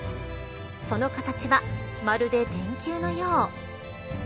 その形はまるで電球のよう。